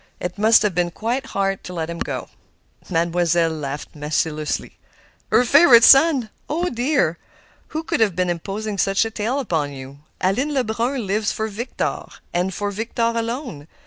It must have been quite hard to let him go." Mademoiselle laughed maliciously. "Her favorite son! Oh, dear! Who could have been imposing such a tale upon you? Aline Lebrun lives for Victor, and for Victor alone.